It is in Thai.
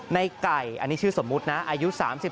ในไก่อันนี้ชื่อสมมุตินะอายุ๓๓